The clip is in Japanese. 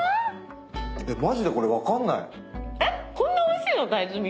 ⁉マジでこれ分かんない。